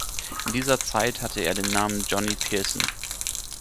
In dieser Zeit hatte er den Namen Johnny Pearson.